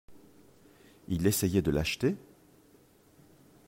Il essayait de l’acheter?